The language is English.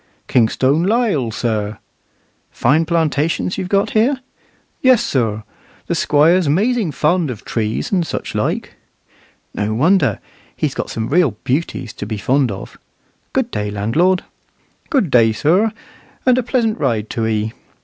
"Kingstone Lisle, sir." "Fine plantations you've got here?" "Yes, sir; the Squire's 'mazing fond of trees and such like." "No wonder. He's got some real beauties to be fond of. Good day, landlord." "Good day, sir, and a pleasant ride to 'ee."